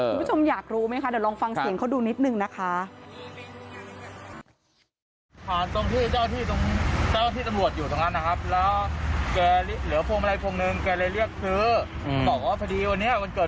คุณผู้ชมอยากรู้ไหมคะเดี๋ยวลองฟังเสียงเขาดูนิดนึงนะคะ